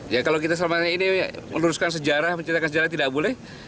ya kalau kita selama ini meluruskan sejarah menceritakan sejarah tidak boleh